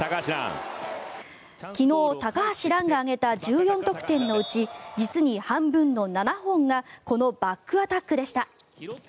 昨日、高橋藍が挙げた１４得点のうち実に半分の７本がこのバックアタックでした。